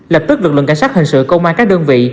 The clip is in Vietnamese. lập tức lực lượng cảnh sát hình sự công an các đơn vị